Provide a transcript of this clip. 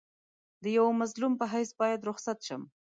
د یوه مظلوم په حیث باید رخصت شم.